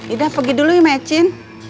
ida pergi dulu ya mecin